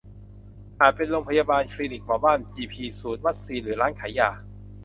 อาจเป็นโรงพยาบาล คลีนิกหมอบ้าน จีพี ศูนย์วัคซีน หรือร้านขายยา